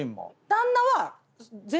旦那は。